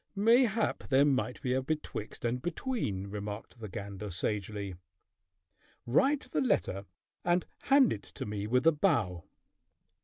"Mayhap there might be a betwixt and between," remarked the gander sagely. "Write the letter and hand it to me with a bow."